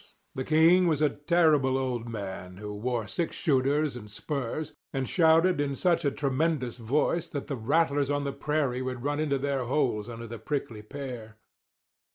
The king was a terrible old man who wore six shooters and spurs, and shouted in such a tremendous voice that the rattlers on the prairie would run into their holes under the prickly pear.